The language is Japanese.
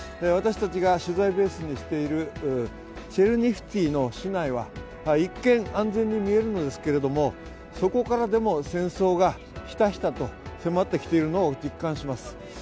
私たちが取材ベースにしているチェルニフツィの市内は一見、安全に見えるんですけれどもそこからでもひたひたと迫ってきているのを実感します。